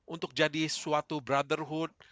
untuk jadi suatu brotherhood